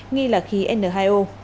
nghi là khí n hai o